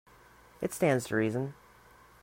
It stands to reason.